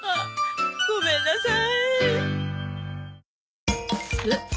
ごめんなさい。